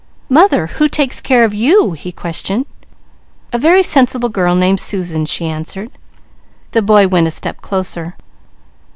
"Mother, who takes care of you?" he questioned. "A very sensible girl named Susan," she answered. The boy went a step closer.